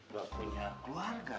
gak punya keluarga